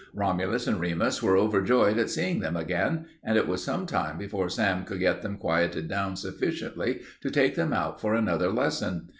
Romulus and Remus were overjoyed at seeing them again, and it was some time before Sam could get them quieted down sufficiently to take them out for another lesson.